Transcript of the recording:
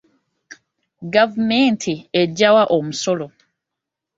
Gavumenti ejjawa omusolo?